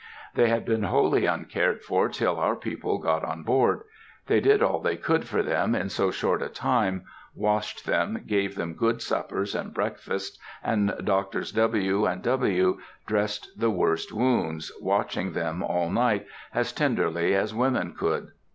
They had been wholly uncared for till our people got on board. They did all they could for them in so short a time, washed them, gave them good suppers and breakfasts, and Drs. W. and W. dressed the worst wounds, watching them all night as tenderly as women could.